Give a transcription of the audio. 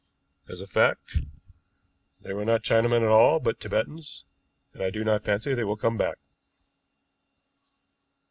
As a fact, they were not Chinamen at all, but Tibetans, and I do not fancy they will come back."